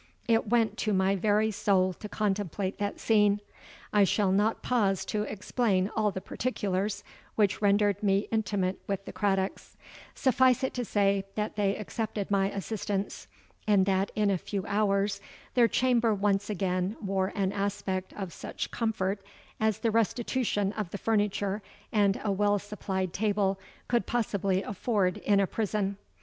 It went to my very soul to contemplate that scene! I shall not pause to explain all the particulars which rendered me intimate with the Craddocks: suffice it to say, that they accepted my assistance, and that in a few hours their chamber once again wore an aspect of such comfort as the restitution of the furniture and a well supplied table could possibly afford in a prison.